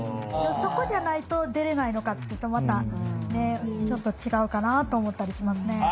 そこじゃないと出れないのかっていうとまたちょっと違うかなと思ったりしますね。